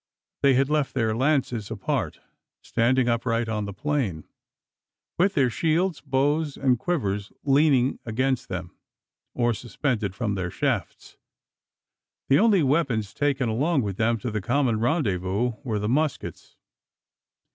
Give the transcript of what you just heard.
They had left their lances apart, standing upright on the plain, with their shields, bows, and quivers leaning against them, or suspended from their shafts. The only weapons taken along with them to the common rendezvous were the muskets.